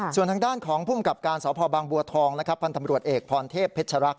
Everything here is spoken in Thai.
ส่วนทางด้านของภูมิกับการสบบังบัวทองพันธรรมรวชเอกพรณเทพเพชรรัก